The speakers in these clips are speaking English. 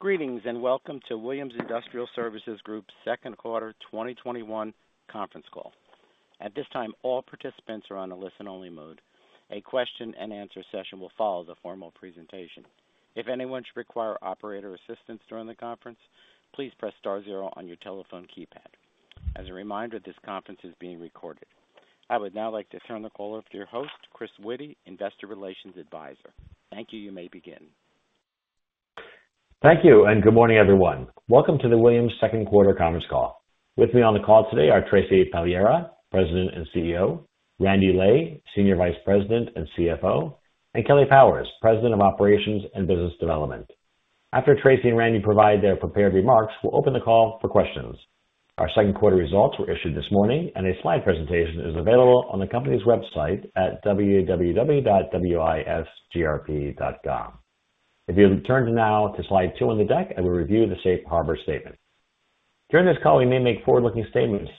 Greetings, welcome to Williams Industrial Services Group second quarter 2021 conference call. At this time, all participants are on a listen-only mode. A question and answer session will follow the formal presentation. If anyone should require operator assistance during the conference, please press star zero on your telephone keypad. As a reminder, this conference is being recorded. I would now like to turn the call over to your host, Chris Witty, Investor Relations Advisor. Thank you. Thank you, and good morning, everyone. Welcome to the Williams second quarter conference call. With me on the call today are Tracy Pagliara, President and CEO, Randy Lay, Senior Vice President and CFO, Kelly Powers, President of Operations and Business Development. After Tracy and Randy provide their prepared remarks, we'll open the call for questions. Our second quarter results were issued this morning, and a slide presentation is available on the company's website at www.wisgrp.com. If you'll turn now to slide two on the deck, I will review the safe harbor statement. During this call, we may make forward-looking statements,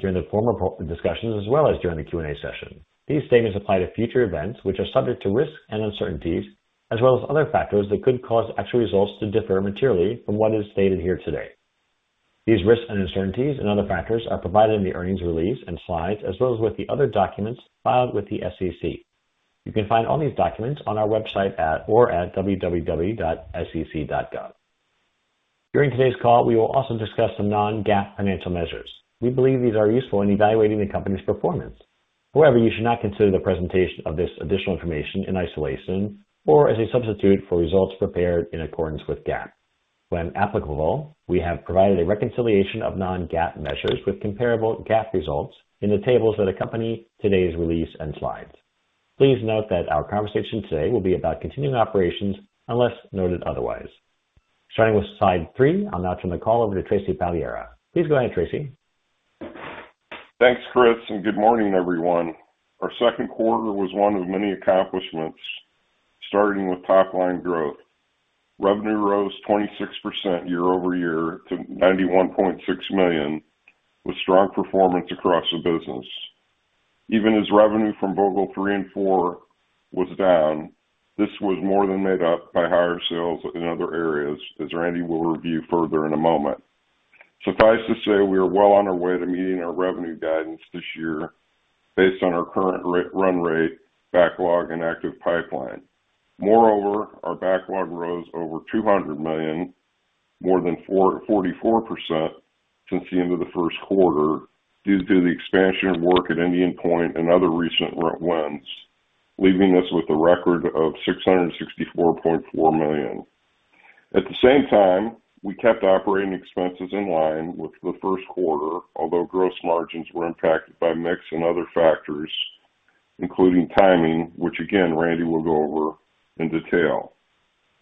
during the formal discussions as well as during the Q&A session. These statements apply to future events, which are subject to risks and uncertainties, as well as other factors that could cause actual results to differ materially from what is stated here today. These risks and uncertainties and other factors are provided in the earnings release and slides, as well as with the other documents filed with the SEC. You can find all these documents on our website at, or at www.sec.gov. During today's call, we will also discuss some non-GAAP financial measures. We believe these are useful in evaluating the company's performance. However, you should not consider the presentation of this additional information in isolation or as a substitute for results prepared in accordance with GAAP. When applicable, we have provided a reconciliation of non-GAAP measures with comparable GAAP results in the tables that accompany today's release and slides. Please note that our conversation today will be about continuing operations unless noted otherwise. Starting with slide three, I'll now turn the call over to Tracy Pagliara. Please go ahead, Tracy. Thanks, Chris. Good morning, everyone. Our second quarter was one of many accomplishments, starting with top-line growth. Revenue rose 26% year-over-year to $91.6 million, with strong performance across the business. Even as revenue from Vogtle 3 and 4 was down, this was more than made up by higher sales in other areas, as Randy will review further in a moment. Suffice to say we are well on our way to meeting our revenue guidance this year based on our current run rate, backlog, and active pipeline. Our backlog rose over $200 million, more than 44% since the end of the first quarter, due to the expansion of work at Indian Point and other recent wins, leaving us with a record of $664.4 million. At the same time, we kept operating expenses in line with the first quarter, although gross margins were impacted by mix and other factors, including timing, which again, Randy will go over in detail.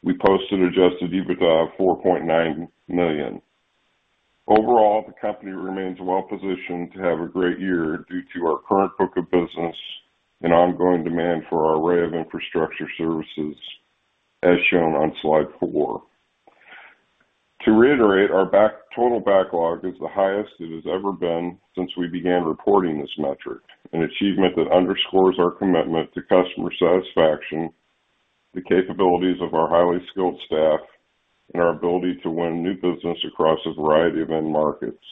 We posted adjusted EBITDA of $4.9 million. Overall, the company remains well-positioned to have a great year due to our current book of business and ongoing demand for our array of infrastructure services, as shown on slide four. To reiterate, our total backlog is the highest it has ever been since we began reporting this metric, an achievement that underscores our commitment to customer satisfaction, the capabilities of our highly skilled staff, and our ability to win new business across a variety of end markets.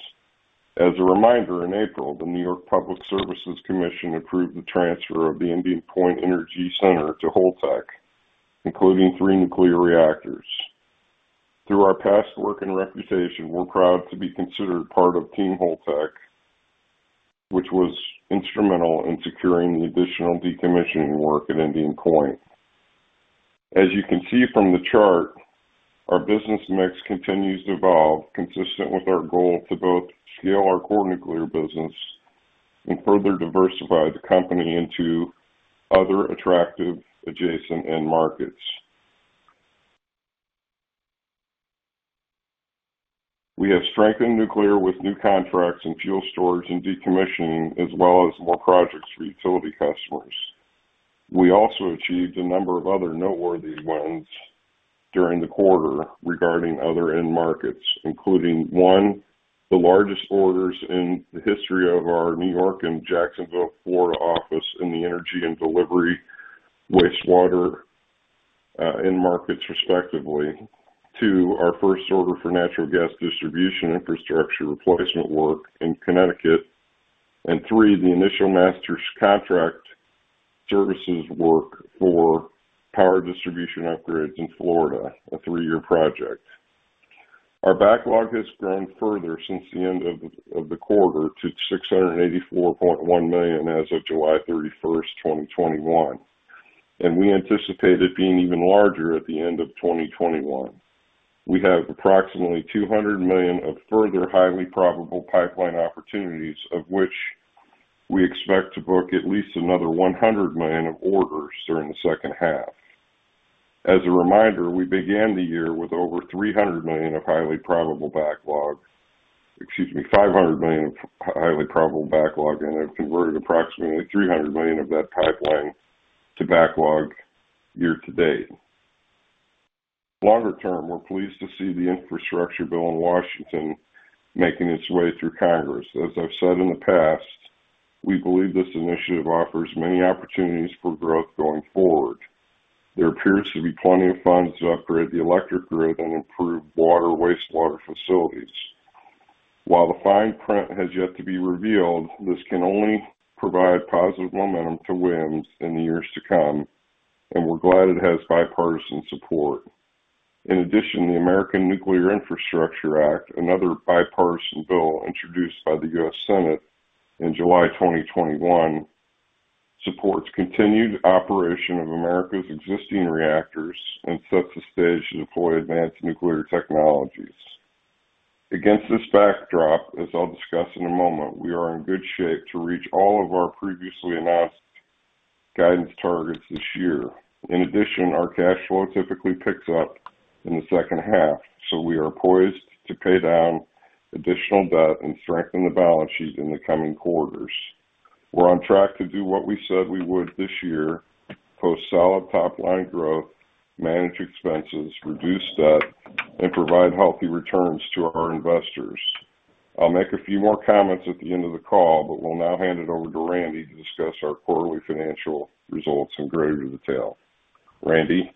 As a reminder, in April, the New York Public Service Commission approved the transfer of the Indian Point Energy Center to Holtec, including three nuclear reactors. Through our past work and reputation, we're proud to be considered part of Team Holtec, which was instrumental in securing the additional decommissioning work at Indian Point. As you can see from the chart, our business mix continues to evolve consistent with our goal to both scale our core nuclear business and further diversify the company into other attractive adjacent end markets. We have strengthened nuclear with new contracts in fuel storage and decommissioning as well as more projects for utility customers. We also achieved a number of other noteworthy wins during the quarter regarding other end markets, including, one, the largest orders in the history of our New York and Jacksonville, Florida office in the energy and delivery wastewater end markets respectively. Two, our first order for natural gas distribution infrastructure replacement work in Connecticut. Three, the initial Master Contractors services work for power distribution upgrades in Florida, a three-year project. Our backlog has grown further since the end of the quarter to $684.1 million as of July 31st, 2021. We anticipate it being even larger at the end of 2021. We have approximately $200 million of further highly probable pipeline opportunities, of which we expect to book at least another $100 million of orders during the second half. As a reminder, we began the year with over $300 million of highly probable backlog-- excuse me, $500 million of highly probable backlog. We have converted approximately $300 million of that pipeline to backlog year-to-date. Longer term, we're pleased to see the infrastructure bill in Washington making its way through Congress. As I've said in the past. We believe this initiative offers many opportunities for growth going forward. There appears to be plenty of funds to upgrade the electric grid and improve water wastewater facilities. While the fine print has yet to be revealed, this can only provide positive momentum to Williams in the years to come, and we're glad it has bipartisan support. The American Nuclear Infrastructure Act, another bipartisan bill introduced by the U.S. Senate in July 2021, supports continued operation of America's existing reactors and sets the stage to deploy advanced nuclear technologies. Against this backdrop, as I'll discuss in a moment, we are in good shape to reach all of our previously announced guidance targets this year. Our cash flow typically picks up in the second half, so we are poised to pay down additional debt and strengthen the balance sheet in the coming quarters. We're on track to do what we said we would this year, post solid top-line growth, manage expenses, reduce debt, and provide healthy returns to our investors. I'll make a few more comments at the end of the call, but will now hand it over to Randy to discuss our quarterly financial results in greater detail. Randy?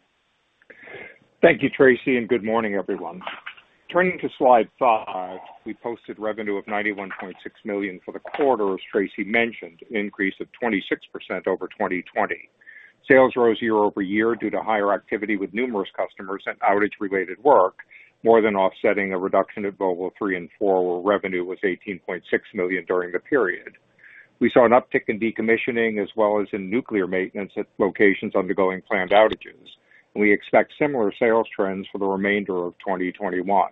Thank you, Tracy. Good morning, everyone. Turning to slide five, we posted revenue of $91.6 million for the quarter, as Tracy mentioned, an increase of 26% over 2020. Sales rose year-over-year due to higher activity with numerous customers and outage-related work, more than offsetting a reduction at Vogtle 3 and 4, where revenue was $18.6 million during the period. We saw an uptick in decommissioning as well as in nuclear maintenance at locations undergoing planned outages. We expect similar sales trends for the remainder of 2021.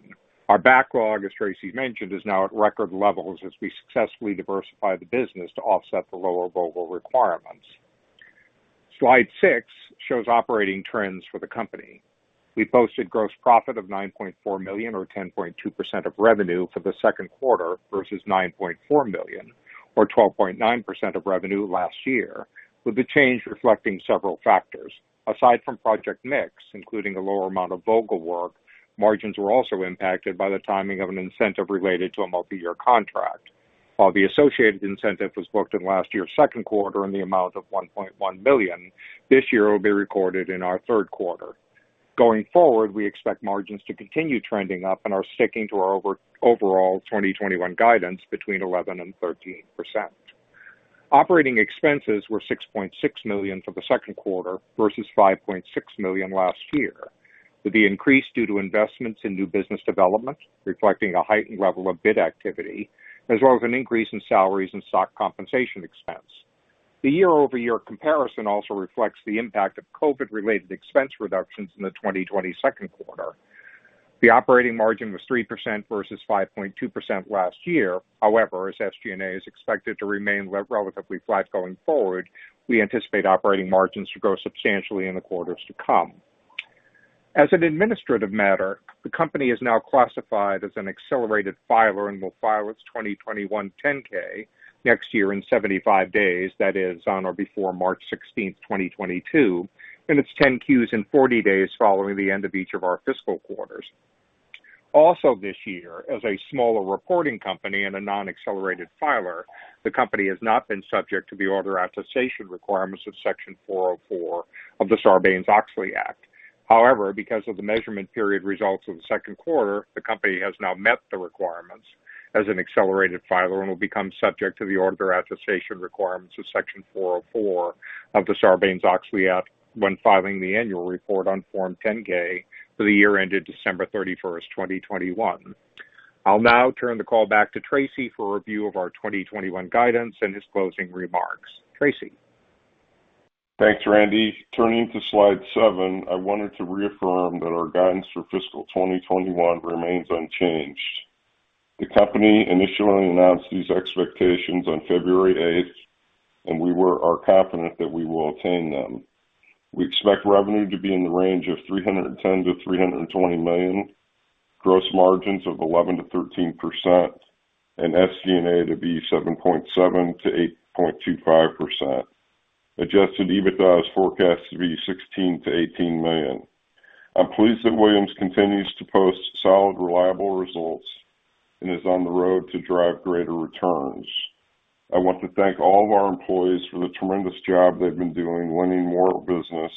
Our backlog, as Tracy mentioned, is now at record levels as we successfully diversify the business to offset the lower Vogtle requirements. Slide 6 shows operating trends for the company. We posted gross profit of $9.4 million or 10.2% of revenue for the second quarter versus $9.4 million or 12.9% of revenue last year, with the change reflecting several factors. Aside from project mix, including a lower amount of Vogtle work, margins were also impacted by the timing of an incentive related to a multi-year contract. While the associated incentive was booked in last year's second quarter in the amount of $1.1 million, this year it will be recorded in our third quarter. Going forward, we expect margins to continue trending up and are sticking to our overall 2021 guidance between 11% and 13%. Operating expenses were $6.6 million for the second quarter versus $5.6 million last year, with the increase due to investments in new business development, reflecting a heightened level of bid activity, as well as an increase in salaries and stock compensation expense. The year-over-year comparison also reflects the impact of COVID-related expense reductions in the 2020 second quarter. The operating margin was 3% versus 5.2% last year. However, as SG&A is expected to remain relatively flat going forward, we anticipate operating margins to grow substantially in the quarters to come. As an administrative matter, the company is now classified as an accelerated filer and will file its 2021 10-K next year in 75 days, that is on or before March 16th, 2022, and its 10-Qs in 40 days following the end of each of our fiscal quarters. This year, as a smaller reporting company and a non-accelerated filer, the company has not been subject to the auditor attestation requirements of Section 404 of the Sarbanes-Oxley Act. However, because of the measurement period results of the second quarter, the company has now met the requirements as an accelerated filer and will become subject to the auditor attestation requirements of Section 404 of the Sarbanes-Oxley Act when filing the annual report on Form 10-K for the year ended December 31st, 2021. I'll now turn the call back to Tracy for a review of our 2021 guidance and his closing remarks. Tracy? Thanks, Randy. Turning to slide seven, I wanted to reaffirm that our guidance for fiscal 2021 remains unchanged. The company initially announced these expectations on February 8th, and we are confident that we will attain them. We expect revenue to be in the range of $310 million-$320 million, gross margins of 11%-13%, and SG&A to be 7.7%-8.25%. Adjusted EBITDA is forecast to be $16 million-$18 million. I'm pleased that Williams continues to post solid, reliable results and is on the road to drive greater returns. I want to thank all of our employees for the tremendous job they've been doing winning more business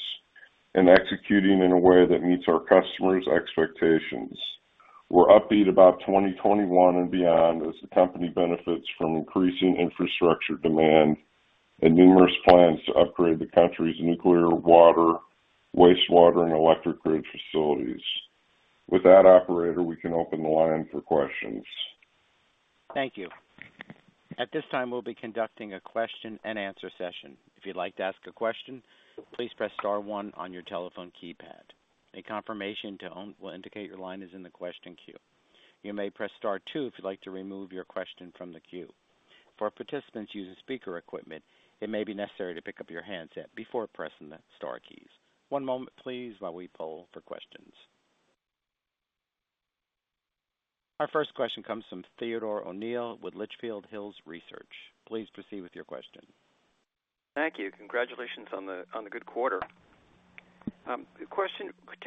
and executing in a way that meets our customers' expectations. We're upbeat about 2021 and beyond as the company benefits from increasing infrastructure demand and numerous plans to upgrade the country's nuclear, water, wastewater, and electric grid facilities. Operator, we can open the line for questions. Thank you. At this time, we'll be conducting a question and answer session. If you'd like to ask a question, please press star one on your telephone keypad. A confirmation tone will indicate your line is in the question queue. You may press star two if you'd like to remove your question from the queue. For participants using speaker equipment, it may be necessary to pick up your handset before pressing the star keys. One moment please while we poll for questions. Our first question comes from Theodore O'Neill with Litchfield Hills Research. Please proceed with your question Thank you. Congratulations on the good quarter. Two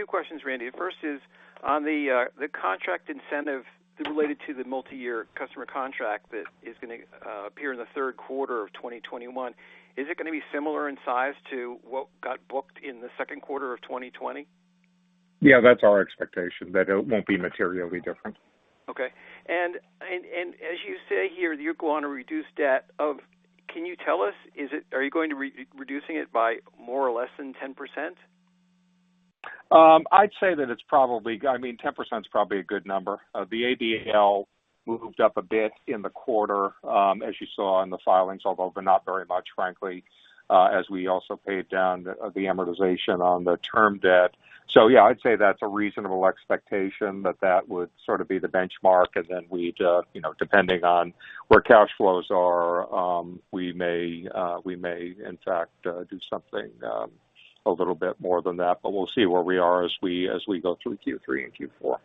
questions, Randy. First is on the contract incentive related to the multi-year customer contract that is going to appear in the third quarter of 2021. Is it going to be similar in size to what got booked in the second quarter of 2020? Yeah, that's our expectation, that it won't be materially different. Okay. As you say here, you're going to reduce debt. Can you tell us, are you going to reducing it by more or less than 10%? I'd say that it's probably I mean, 10% is probably a good number. The ABL moved up a bit in the quarter, as you saw in the filings, although not very much, frankly, as we also paid down the amortization on the term debt. Yeah, I'd say that's a reasonable expectation that would sort of be the benchmark, and then we'd, depending on where cash flows are, we may in fact do something a little bit more than that. We'll see where we are as we go through Q3 and Q4.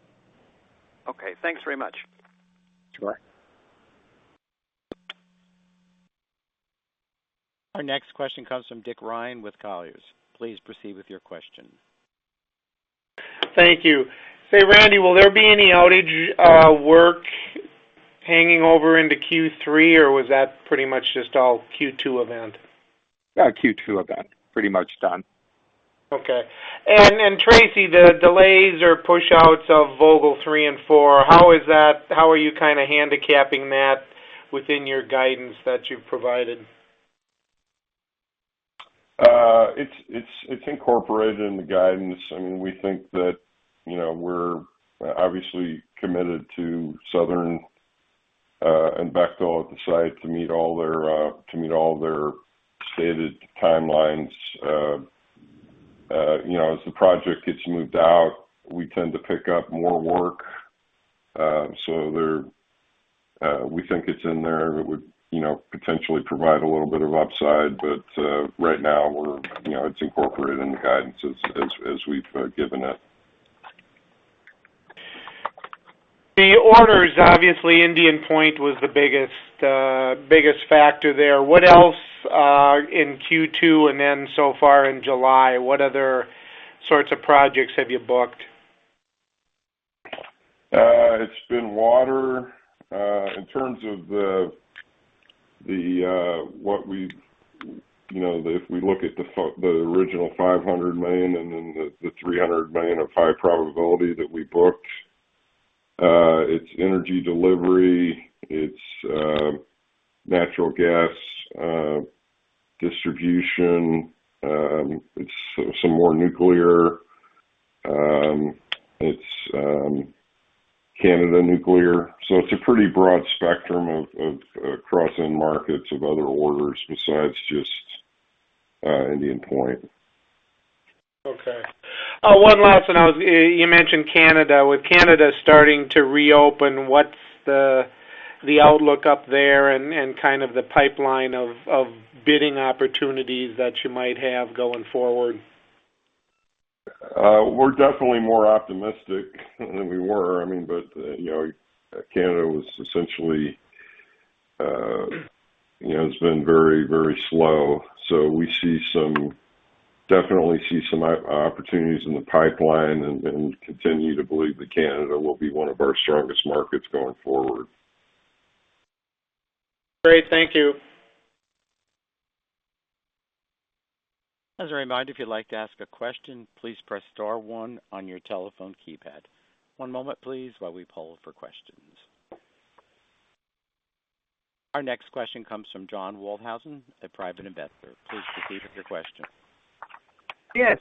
Okay. Thanks very much. Sure. Our next question comes from Dick Ryan with Colliers. Please proceed with your question. Thank you. Say, Randy, will there be any outage work hanging over into Q3, or was that pretty much just all Q2 event? Q2 event, pretty much done. Okay. Tracy, the delays or push outs of Vogtle 3 and 4, how are you kind of handicapping that within your guidance that you've provided? It's incorporated in the guidance. We're obviously committed to Southern and Bechtel at the site to meet all their stated timelines. As the project gets moved out, we tend to pick up more work. We think it's in there. It would potentially provide a little bit of upside, but right now it's incorporated in the guidance as we've given it. The orders, obviously Indian Point was the biggest factor there. What else in Q2, and then so far in July, what other sorts of projects have you booked? It's been water. In terms of if we look at the original $500 million and then the $300 million of high probability that we booked, it's energy delivery, it's natural gas distribution, it's some more nuclear, it's Canada nuclear. It's a pretty broad spectrum of cross-end markets of other orders besides just Indian Point. Okay. One last one. You mentioned Canada. With Canada starting to reopen, what's the outlook up there and kind of the pipeline of bidding opportunities that you might have going forward? We're definitely more optimistic than we were. Canada has been very slow, so we definitely see some opportunities in the pipeline and continue to believe that Canada will be one of our strongest markets going forward. Great. Thank you. As a reminder, if you'd like to ask a question, please press star one on your telephone keypad. One moment please, while we poll for questions. Our next question comes from John Walthausen, a private investor. Please proceed with your question. Yes.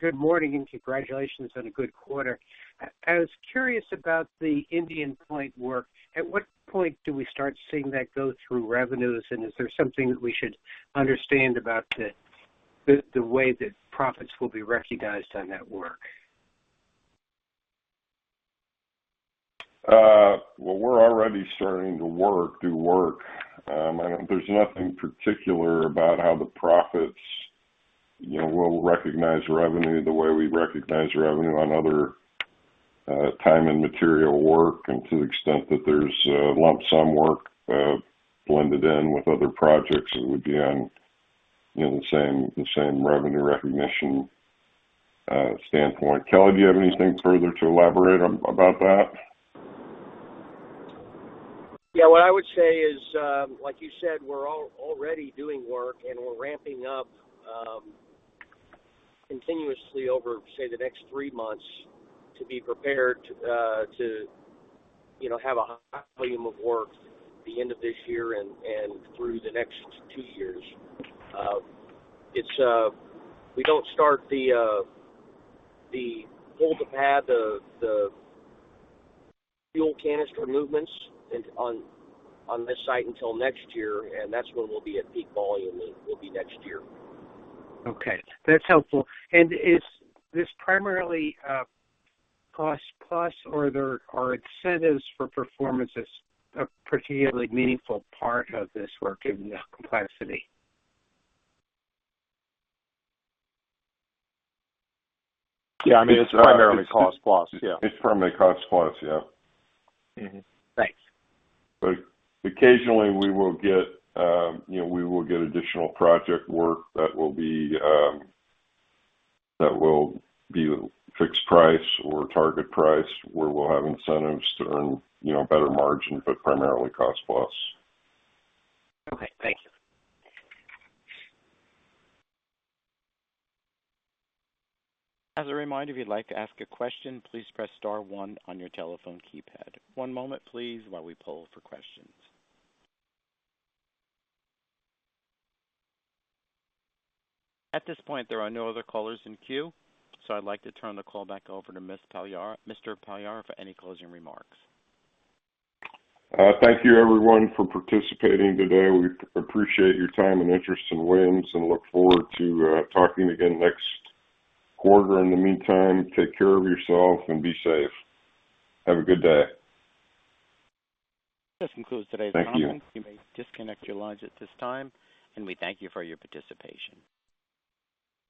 Good morning. Congratulations on a good quarter. I was curious about the Indian Point work. At what point do we start seeing that go through revenues? Is there something that we should understand about the way that profits will be recognized on that work? Well, we're already starting to do work. There's nothing particular about how the profits we'll recognize revenue the way we recognize revenue on other time and material work, and to the extent that there's lump sum work blended in with other projects, it would be on the same revenue recognition standpoint. Kelly, do you have anything further to elaborate about that? Yeah, what I would say is, like you said, we're already doing work and we're ramping up continuously over, say, the next three months to be prepared to have a high volume of work the end of this year and through the next two years. We don't start the fuel canister movements on this site until next year, and that's when we'll be at peak volume. It will be next year. Okay, that's helpful. Is this primarily cost plus, or are incentives for performance a particularly meaningful part of this work given the complexity? Yeah, it's primarily cost plus. Yeah. It's primarily cost plus, yeah. Mm-hmm. Thanks. Occasionally we will get additional project work that will be fixed price or target price where we'll have incentives to earn better margin, but primarily cost plus. Okay, thank you. As a reminder, if you'd like to ask a question, please press star one on your telephone keypad. One moment, please, while we poll for questions. At this point, there are no other callers in queue, so I'd like to turn the call back over to Mr. Pagliara for any closing remarks. Thank you everyone for participating today. We appreciate your time and interest in Williams and look forward to talking again next quarter. In the meantime, take care of yourselves and be safe. Have a good day. This concludes today's conference. Thank you. You may disconnect your lines at this time. We thank you for your participation.